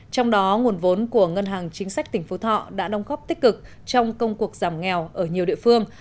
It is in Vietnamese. trong đó nguồn vốn của ngân hàng chính sách tỉnh phú thọ đã đồng góp tích cực trong công cuộc giảm nghèo ở nhiều địa phương